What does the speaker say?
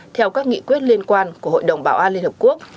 theo các nghị quyết liên quan của hội đồng bảo an liên hợp quốc